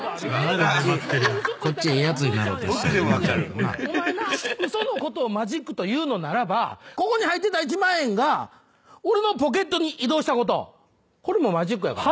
お前な嘘のことをマジックと言うのならばここに入ってた１万円が俺のポケットに移動したことこれもマジックやから。